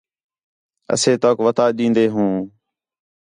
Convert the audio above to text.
اَسے تَؤک وَتا ݙین٘دے ہوں